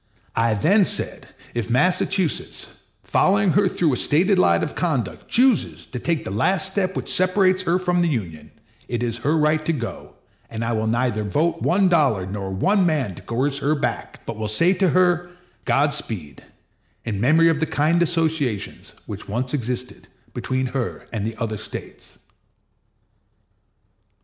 I then said, if Massachusetts, following her through a stated line of conduct, chooses to take the last step which separates her from the Union, it is her right to go, and I will neither vote one dollar nor one man to coerce her back; but will say to her, Godspeed, in memory of the kind associations which once existed between her and the other States.